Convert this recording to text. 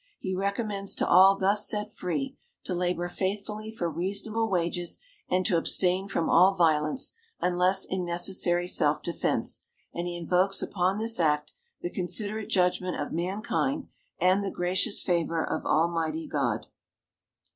He recommends to all thus set free, to labor faithfully for reasonable wages and to abstain from all violence, unless in necessary self defense, and he invokes upon this act "the considerate judgment of mankind and the gracious favor of Almighty God."